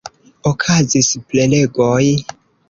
Okazis prelegoj.